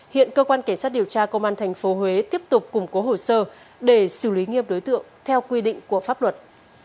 hiện cơ quan cảnh sát điều tra công an tp huế tiếp tục củng cố hồ sơ để xử lý nghiêm đối tượng theo quy định của pháp luật